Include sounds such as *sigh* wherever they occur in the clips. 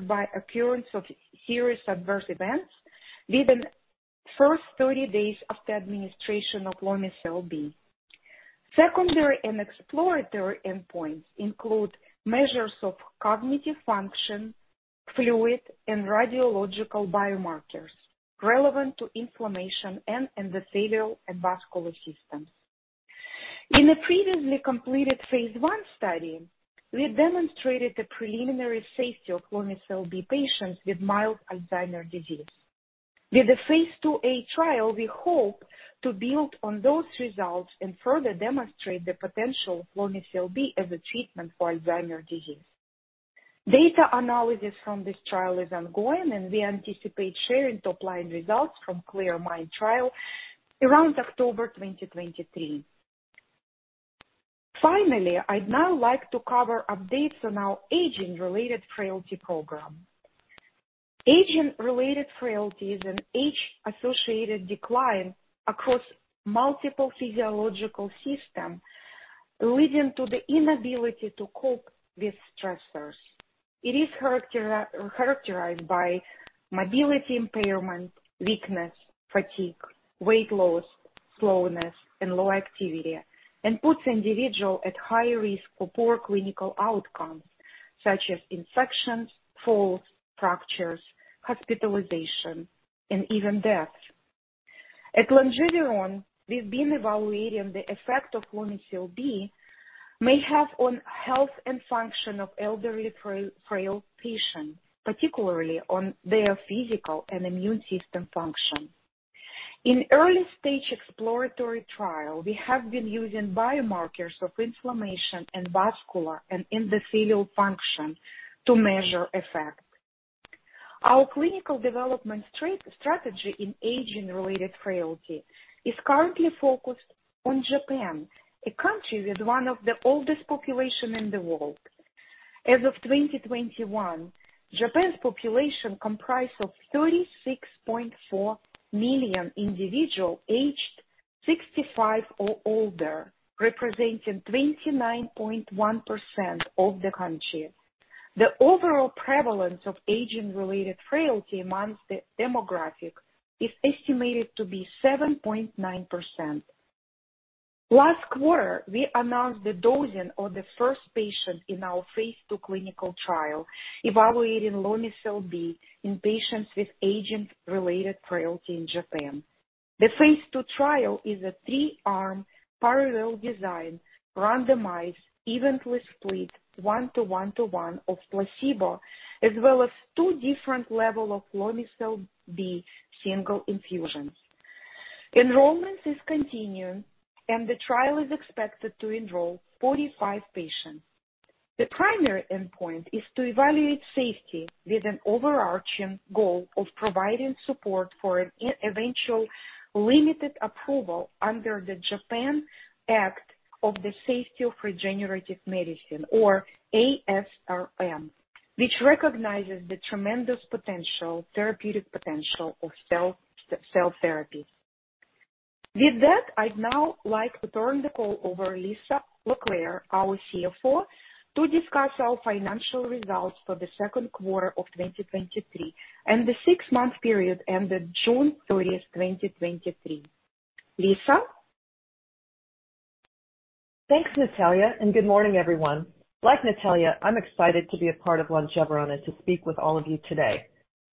by occurrence of serious adverse events within first 30 days after administration of Lomecel-B. Secondary and exploratory endpoints include measures of cognitive function, fluid, and radiological biomarkers relevant to inflammation and endothelial and vascular systems. In a previously completed phase 1 study, we demonstrated the preliminary safety of Lomecel-B patients with mild Alzheimer's disease. With the phase 2a trial, we hope to build on those results and further demonstrate the potential of Lomecel-B as a treatment for Alzheimer's disease. Data analysis from this trial is ongoing, we anticipate sharing top line results from CLEAR MIND trial around October 2023. Finally, I'd now like to cover updates on our Aging-Related Frailty program. Aging-Related Frailty is an age-associated decline across multiple physiological system, leading to the inability to cope with stressors. It is characterized by mobility impairment, weakness, fatigue, weight loss, slowness, and low activity, and puts individual at high risk for poor clinical outcomes, such as infections, falls, fractures, hospitalizations, and even death. At Longeveron, we've been evaluating the effect of Lomecel-B may have on health and function of elderly frail patients, particularly on their physical and immune system function. In early stage exploratory trial, we have been using biomarkers of inflammation and vascular and endothelial function to measure effect. Our clinical development strategy in Aging-Related Frailty is currently focused on Japan, a country with one of the oldest population in the world. As of 2021, Japan's population comprised of 36.4 million individual aged 65 or older, representing 29.1% of the country. The overall prevalence of Aging-Related Frailty amongst the demographic is estimated to be 7.9%. Last quarter, we announced the dosing of the first patient in our phase 2 clinical trial, evaluating Lomecel-B in patients with Aging-Related Frailty in Japan. The phase 2 trial is a three-arm parallel design, randomized, evenly split, one to one to one of placebo, as well as two different level of Lomecel-B single infusions. Enrollment is continuing, and the trial is expected to enroll 45 patients. The primary endpoint is to evaluate safety, with an overarching goal of providing support for an eventual limited approval under the Japan Act on the Safety of Regenerative Medicine, or ASRM, which recognizes the tremendous potential, therapeutic potential of cell therapy. With that, I'd now like to turn the call over to Lisa Locklear, our CFO, to discuss our financial results for the second quarter of 2023, and the 6-month period ended 30 June 2023. Lisa? Thanks, Natalia, and good morning, everyone. Like Natalia, I'm excited to be a part of Longeveron and to speak with all of you today.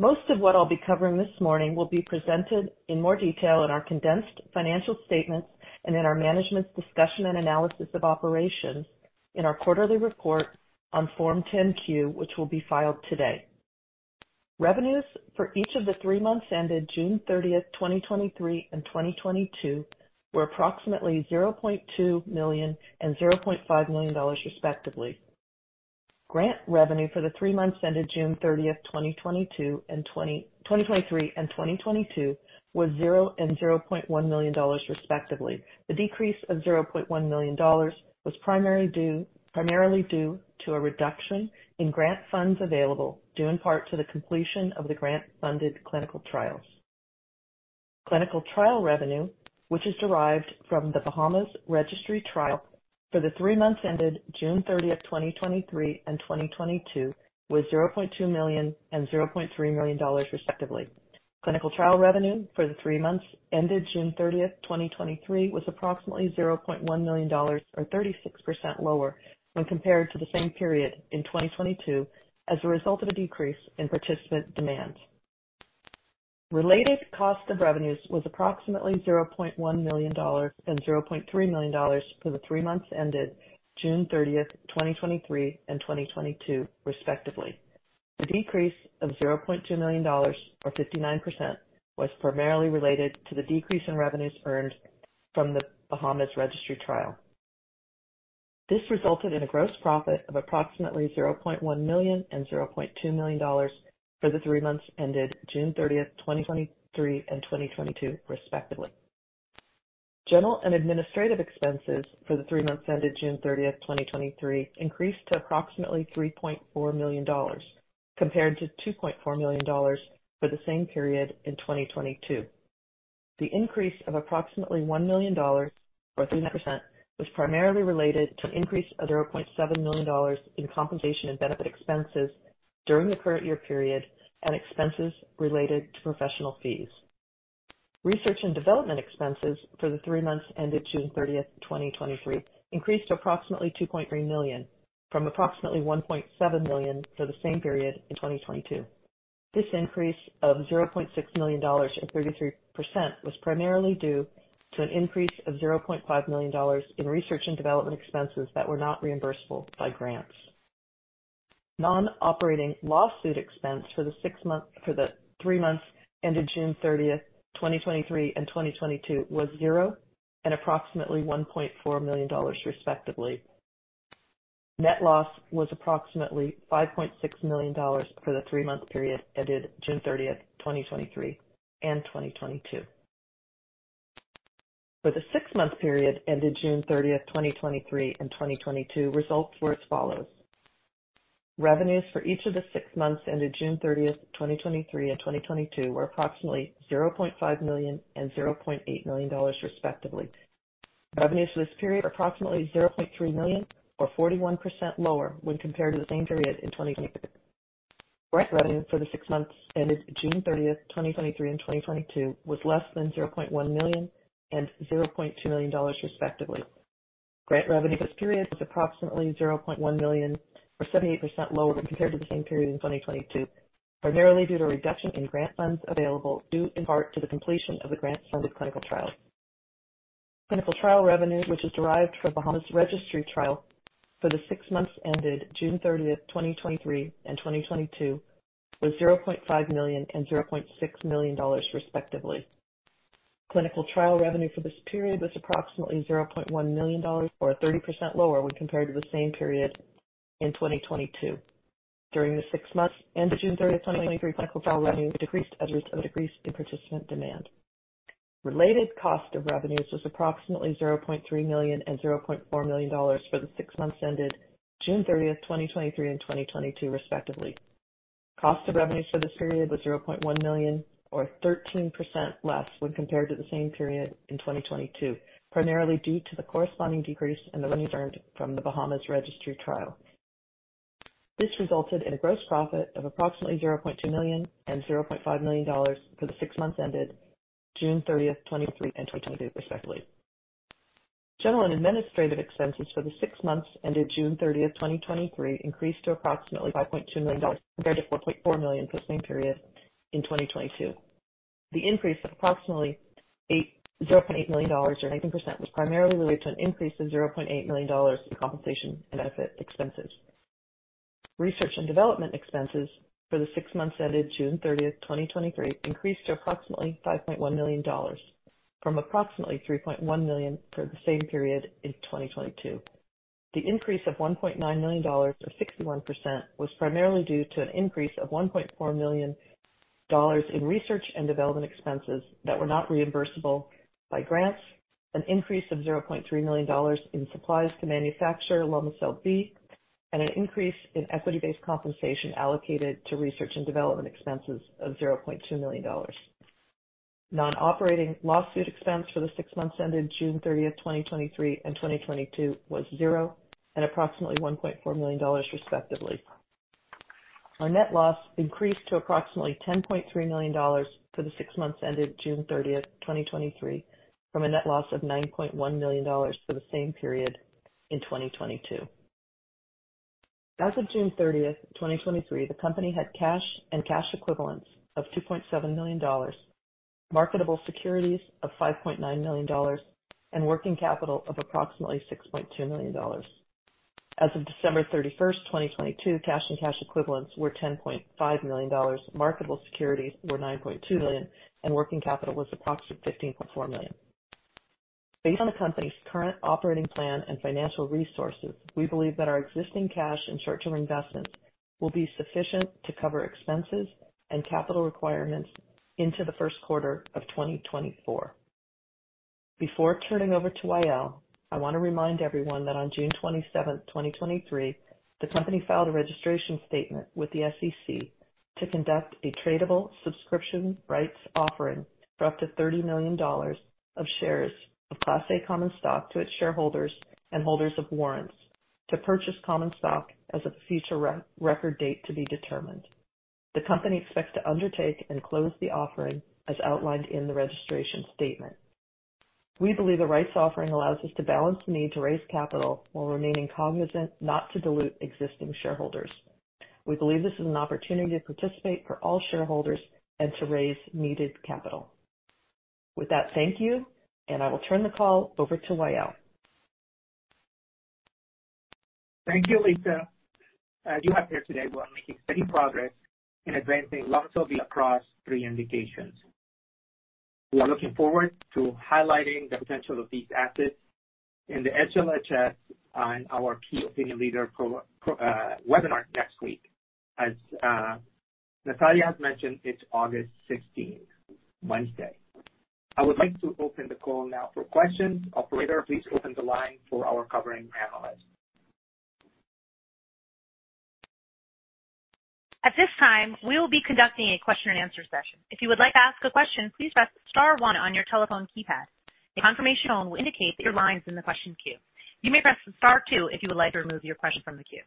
Most of what I'll be covering this morning will be presented in more detail in our condensed financial statements and in our management's discussion and analysis of operations in our quarterly report on Form 10-Q, which will be filed today. Revenues for each of the three months ended June 30, 2023 and 2022, were approximately $0.2 million and $0.5 million, respectively. Grant revenue for the three months ended June 30, 2023 and 2022, was $0 and $0.1 million, respectively. The decrease of $0.1 million was primarily due to a reduction in grant funds available, due in part to the completion of the grant-funded clinical trials. Clinical trial revenue, which is derived from the Bahamas Registry Trial for the three months ended June thirtieth, 2023 and 2022, was $0.2 million and $0.3 million, respectively. Clinical trial revenue for the three months ended June thirtieth, 2023, was approximately $0.1 million, or 36% lower when compared to the same period in 2022, as a result of a decrease in participant demand. Related cost of revenues was approximately $0.1 million and $0.3 million for the three months ended June thirtieth, 2023 and 2022, respectively. The decrease of $0.2 million, or 59%, was primarily related to the decrease in revenues earned from the Bahamas Registry Trial. This resulted in a gross profit of approximately $0.1 million and $0.2 million for the three months ended June thirtieth, 2023 and 2022, respectively. General and administrative expenses for the three months ended June thirtieth, 2023, increased to approximately $3.4 million, compared to $2.4 million for the same period in 2022. The increase of approximately $1 million or 3% was primarily related to an increase of $0.7 million in compensation and benefit expenses during the current year period and expenses related to professional fees. Research and development expenses for the 3 months ended June 30, 2023, increased to approximately $2.3 million, from approximately $1.7 million for the same period in 2022. This increase of $0.6 million and 33% was primarily due to an increase of $0.5 million in research and development expenses that were not reimbursable by grants. Non-operating lawsuit expense for the 3 months ended June 30, 2023, and 2022 was $0 and approximately $1.4 million, respectively. Net loss was approximately $5.6 million for the 3-month period ended June 30, 2023, and 2022. For the six-month period ended June 30, 2023 and 2022, results were as follows: Revenues for each of the six months ended June 30, 2023 and 2022, were approximately $0.5 million and $0.8 million, respectively. Revenues for this period are approximately $0.3 million, or 41% lower when compared to the same period in 2022. Grant revenue for the six months ended June 30, 2023 and 2022, was less than $0.1 million and $0.2 million, respectively. Grant revenue this period was approximately $0.1 million, or 78% lower when compared to the same period in 2022, primarily due to a reduction in grant funds available, due in part to the completion of the grant-funded clinical trial. Clinical trial revenue, which is derived from Bahamas Registry Trial for the 6 months ended June 30th, 2023 and 2022, was $0.5 million and $0.6 million, respectively. Clinical trial revenue for this period was approximately $0.1 million, or 30% lower when compared to the same period in 2022. During the 6 months ended June 30th, 2023, clinical trial revenue decreased as a result of a decrease in participant demand. Related cost of revenues was approximately $0.3 million and $0.4 million for the 6 months ended June 30th, 2023 and 2022, respectively. Cost of revenues for this period was $0.1 million or 13% less when compared to the same period in 2022, primarily due to the corresponding decrease in the revenues earned from the Bahamas Registry Trial. This resulted in a gross profit of approximately $0.2 million and $0.5 million for the six months ended June 30, 2023 and 2022, respectively. General and administrative expenses for the six months ended June 30, 2023, increased to approximately $5.2 million, compared to $4.4 million for the same period in 2022. The increase of approximately $0.8 million or 19%, was primarily related to an increase of $0.8 million in compensation and benefit expenses. Research and development expenses for the six months ended June 30, 2023, increased to approximately $5.1 million from approximately $3.1 million for the same period in 2022. The increase of $1.9 million, or 61%, was primarily due to an increase of $1.4 million in research and development expenses that were not reimbursable by grants, an increase of $0.3 million in supplies to manufacture Lomecel-B, and an increase in equity-based compensation allocated to research and development expenses of $0.2 million. Non-operating lawsuit expense for the 6 months ended June 30, 2023 and 2022, was 0 and approximately $1.4 million, respectively. Our net loss increased to approximately $10.3 million for the 6 months ended June 30, 2023, from a net loss of $9.1 million for the same period in 2022. As of June 30, 2023, the company had cash and cash equivalents of $2.7 million, marketable securities of $5.9 million, and working capital of approximately $6.2 million. As of December 31, 2022, cash and cash equivalents were $10.5 million, marketable securities were $9.2 million, and working capital was approximately $15.4 million. Based on the company's current operating plan and financial resources, we believe that our existing cash and short-term investments will be sufficient to cover expenses and capital requirements into the first quarter of 2024. Before turning over to Wa'el, I want to remind everyone that on June 27, 2023, the company filed a registration statement with the SEC to conduct a tradable subscription rights offering for up to $30 million of shares of Class A common stock to its shareholders and holders of warrants to purchase common stock as of a future re- record date to be determined. The company expects to undertake and close the offering as outlined in the registration statement. We believe a rights offering allows us to balance the need to raise capital while remaining cognizant not to dilute existing shareholders. We believe this is an opportunity to participate for all shareholders and to raise needed capital. With that, thank you, and I will turn the call over to Wa'el. Thank you, Lisa. As you have heard today, we are making steady progress in advancing Lomecel-B across three indications. We are looking forward to highlighting the potential of these assets in the HLHS and our Key Opinion Leader webinar next week. As Natalia has mentioned, it's August 16th, Wednesday. I would like to open the call now for questions. Operator, please open the line for our covering analysts. At this time, we will be conducting a question and answer session. If you would like to ask a question, please press star 1 on your telephone keypad. A confirmation tone will indicate that your line is in the question queue. You may press star 2 if you would like to remove your question from the queue.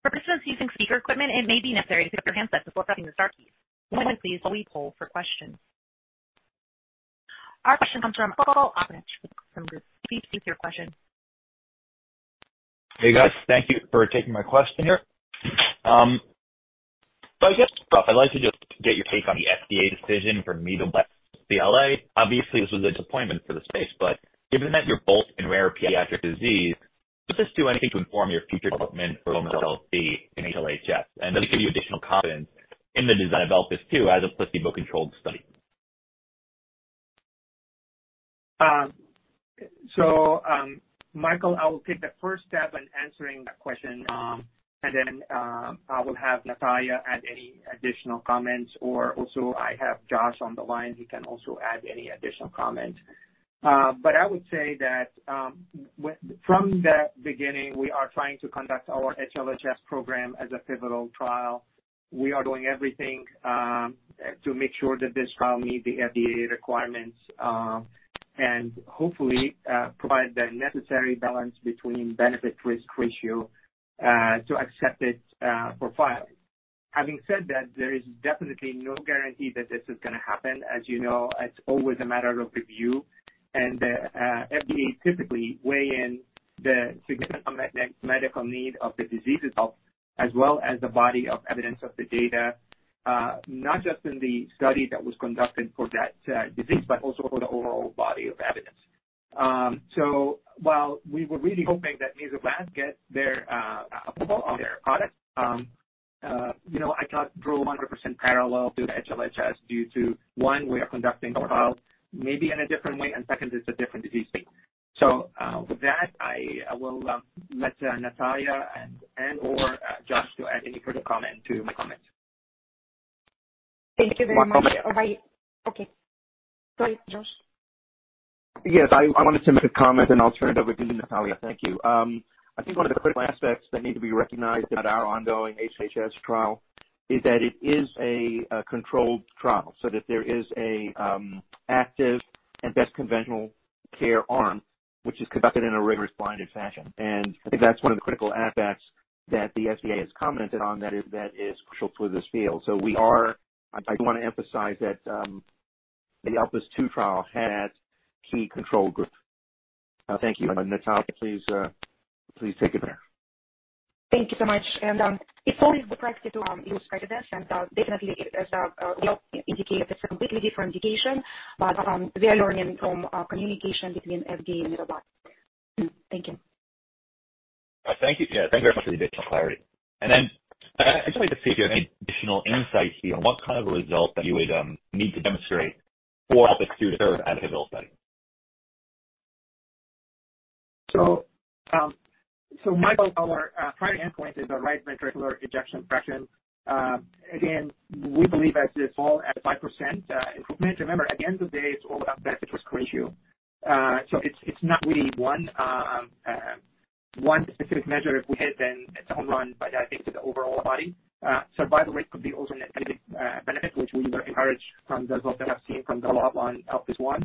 For participants using speaker equipment, it may be necessary to pick up your handset before pressing the star keys. One moment please, while we poll for questions. Our question comes from *crosstalk* Michael Albeniz from ROTH MKM. Please proceed with your question. Hey, guys. Thank you for taking my question here. I guess, Than, I'd like to just get your take on the FDA decision for Leqembi. Obviously, this was a disappointment for the space, but given that you're both in rare pediatric disease, does this do anything to inform your future development for Lomecel-B in HLHS? Does it give you additional confidence in the design of Elpis II as a placebo-controlled study? Michael, I will take the first stab in answering that question. I will have Natalia add any additional comments, or also I have Josh on the line. He can also add any additional comments. I would say that, from the beginning, we are trying to conduct our HLHS program as a pivotal trial. We are doing everything to make sure that this trial meet the FDA requirements, and hopefully, provide the necessary balance between benefit-risk ratio to accept it for filing. Having said that, there is definitely no guarantee that this is going to happen. As you know, it's always a matter of review, FDA typically weigh in the significant medical need of the disease itself, as well as the body of evidence of the data, not just in the study that was conducted for that disease, but also for the overall body of evidence. While we were really hoping that Mesoblast get their approval on their product, you know, I can't draw a 100% parallel to the HLHS due to, one, way of conducting our trial, maybe in a different way, and second, it's a different disease state. With that, I, I will let Natalia and, and/or, Josh, to add any further comment to my comments. Thank you very much. One comment. I...Okay. Go ahead, Josh. Yes, I wanted to make a comment, and I'll turn it over to you, Natalia. Thank you. I think one of the critical aspects that need to be recognized about our ongoing HLHS trial is that it is a controlled trial, so that there is an active and best conventional care arm, which is conducted in a rigorous blinded fashion. I think that's one of the critical aspects that the FDA has commented on, that is crucial for this field. I want to emphasize that the Elpis II trial has key control group. Thank you. Natalia, please take it there. Thank you so much. It's always the practice to use precedence, and definitely, as Wa'el indicated, it's a completely different indication. We are learning from communication between FDA and Mesoblast. Thank you. Thank you. Yeah, thank you very much for the additional clarity. Then, I'd like to see if you have any additional insights here on what kind of a result that you would need to demonstrate for Elpis II to serve as a development? Michael, our primary endpoint is the right ventricular ejection fraction. Again, we believe that this fall at 5% improvement. Remember, at the end of the day, it's all about benefit-risk ratio. It's, it's not really one specific measure. If we hit, then it's a home run, but I think to the overall body, survival rate could be also an added benefit, which we were encouraged from the result that I've seen from the lab on Elpis II.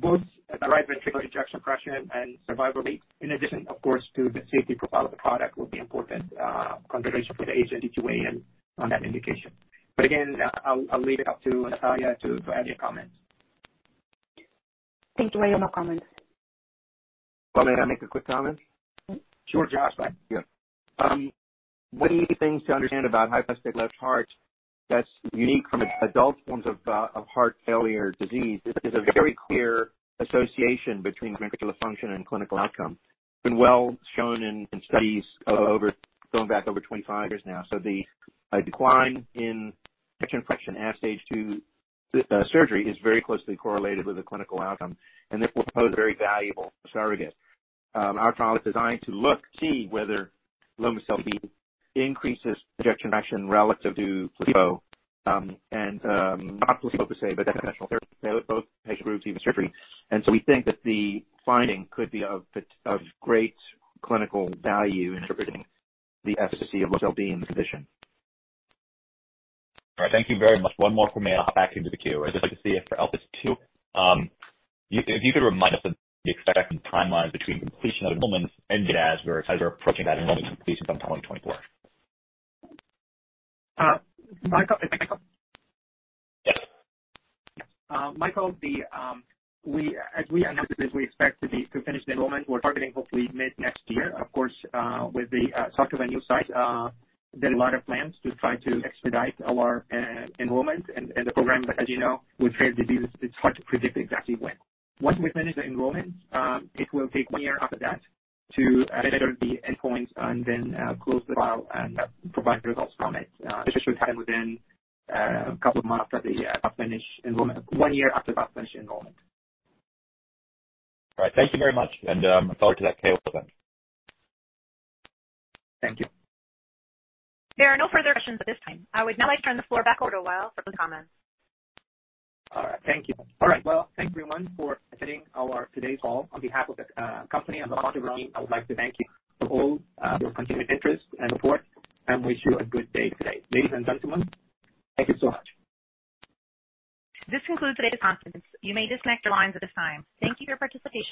Both the right ventricular ejection fraction and survival rate, in addition, of course, to the safety profile of the product, will be important consideration for the agency to weigh in on that indication. Again, I'll, I'll leave it up to Natalia to add any comments. Thank you. I have no comments. Well, may I make a quick comment? Sure, Josh. Yeah. One of the unique things to understand about hypoplastic left heart that's unique from adult forms of heart failure disease, is a very clear association between ventricular function and clinical outcome. It's been well shown in studies over, going back over 25 years now. The decline in ejection fraction at Stage II surgery, is very closely correlated with the clinical outcome, and this will pose a very valuable surrogate. Our trial is designed to look, see whether Lomecel-B increases ejection fraction relative to placebo, and not placebo to say, but professional therapy, both patient groups even surgery. We think that the finding could be of great clinical value in interpreting the efficacy of Lomecel-B in the condition. All right. Thank you very much. One more from me, I'll hop back into the queue. I'd just like to see it for Elpis II, if you could remind us of the expected timelines between completion of enrollments and Elpis, where as we're approaching that enrollment completion sometime in 2024. Michael, Michael? Yes. Michael, as we announced this, we expect to be, to finish the enrollment, we're targeting hopefully mid-next year. Of course, with the software new site, there are a lot of plans to try to expedite our enrollment and the program. As you know, with rare diseases, it's hard to predict exactly when. Once we finish the enrollment, it will take 1 year after that to gather the endpoints and then close the file and provide the results from it. It should happen within 2 months after the finish enrollment, 1 year after finish enrollment. All right. Thank you very much. I'll talk to that tail event. Thank you. There are no further questions at this time. I would now like to turn the floor back over to Wa'el for closing comments. All right. Thank you. All right. Well, thank you everyone for attending our today's call. On behalf of the company and the board of directors, I would like to thank you for all your continued interest and support, and wish you a good day today. Ladies and gentlemen, thank you so much. This concludes today's conference. You may disconnect your lines at this time. Thank you for your participation.